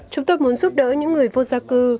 chúng tôi muốn giúp đỡ những người vô gia cư